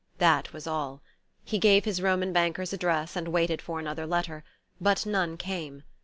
That was all. He gave his Roman banker's address, and waited for another letter; but none came.